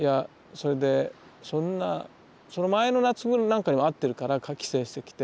その前の夏頃なんかにも会ってるから帰省してきて。